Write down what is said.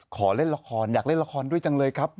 ขอเล่นละครอยากเล่นละครด้วยจังเลยครับ